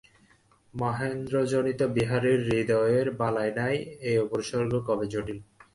মহেন্দ্র জানিত বিহারীর হৃদয়ের বালাই নাই –এ উপসর্গ কবে জুটিল।